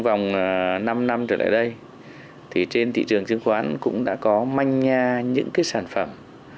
vòng năm năm trở lại đây thì trên thị trường chứng khoán cũng đã có manh nha những cái sản phẩm